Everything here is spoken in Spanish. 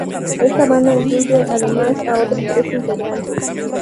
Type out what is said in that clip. Esta banda incluye además a otros tres integrantes.